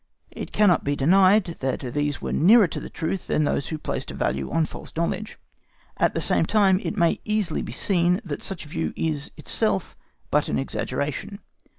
It cannot be denied that these were nearer to the truth than those who placed a value on false knowledge: at the same time it may easily be seen that such a view is itself but an exaggeration.